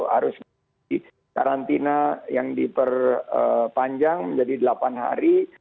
harus di karantina yang diperpanjang menjadi delapan hari